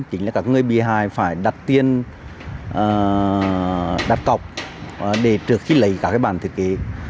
chính là các người bìa hài phải đặt tiền đặt cọc để trước khi lấy các cái bản thiết kế này